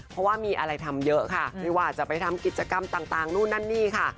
เพราะว่ามีอะไรทำเยอะค่ะไม่ว่าจะไปทำกิจกรรมต่างนู่นนั่นนี่ค่ะ